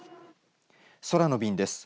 空の便です。